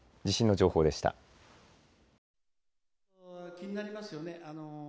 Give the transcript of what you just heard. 気になりますよね。